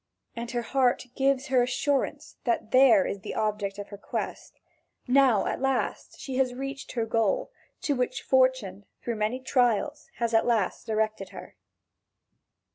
And her heart gives her assurance that here is the object of her quest; now at last she has reached her goal, to which Fortune through many trials has at last directed her.